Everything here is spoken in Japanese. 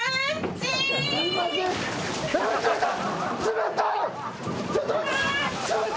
冷たい！